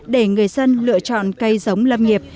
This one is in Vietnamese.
để người dân lựa chọn cây giống lâm nghiệp